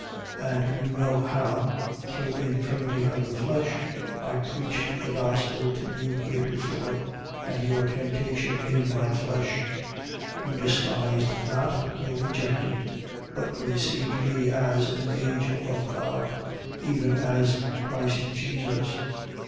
4:13. And you know how, through infirmity of the flesh, I preached the gospel to you heretofore: and your temptation in my flesh 4:14. You despised not, nor rejected: but received me as an angel of God, even as Christ Jesus.